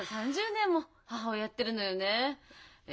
３０年も母親やってるのよねえ。